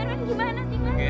itu udah kita yang urus ya